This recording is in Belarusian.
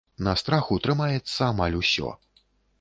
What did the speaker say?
На страху трымаецца амаль усё.